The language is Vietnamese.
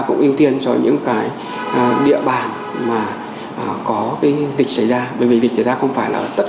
cũng ưu tiên cho những cái địa bàn mà có cái dịch xảy ra bởi vì dịch xảy ra không phải là tất